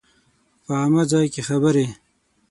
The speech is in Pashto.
په عامه ځای کې خبرې